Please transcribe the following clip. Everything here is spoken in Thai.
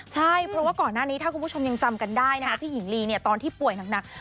ใช่เพราะว่าก่อนหน้านี้ถ้าคุณผู้ชมยังจำกันได้นะคะพี่หญิงลีเนี่ยตอนที่ป่วยหนัก